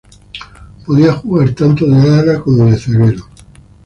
Podía jugar tanto de ala como de zaguero.